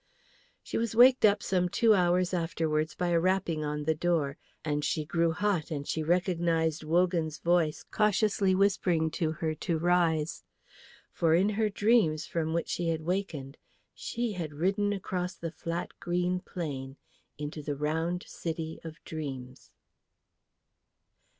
She was waked up some two hours afterwards by a rapping on the door, and she grew hot and she recognised Wogan's voice cautiously whispering to her to rise with all speed. For in her dreams from which she had wakened, she had ridden across the flat green plain into the round city of dreams.